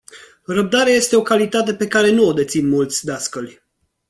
Răbdarea este o calitate pe care nu o dețin mulți dascăli.